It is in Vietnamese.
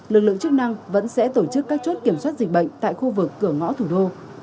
lực lượng chức năng vẫn sẽ tổ chức các chốt kiểm soát dịch bệnh tại khu vực cửa ngõ thủ đô